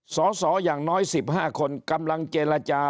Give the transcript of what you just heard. สอสออย่างน้อย๑๕คนกำลังเจรจา